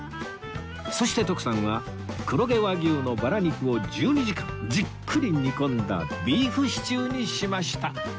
そして徳さんは黒毛和牛のバラ肉を１２時間じっくり煮込んだビーフシチューにしました